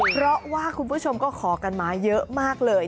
เพราะว่าคุณผู้ชมก็ขอกันมาเยอะมากเลย